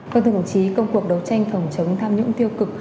vâng thưa đồng chí công cuộc đấu tranh phòng chống tham nhũng tiêu cực